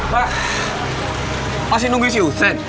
pak pasti nunggu si usin